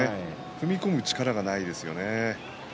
踏み込む力がないですよね。